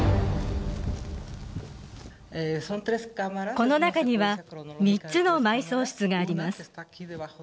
この中には３つの埋葬室があります